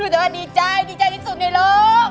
ดีใจดีใจที่สุดในโลก